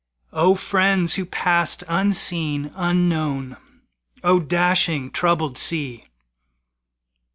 O friends who passed unseen, unknown! O dashing, troubled sea!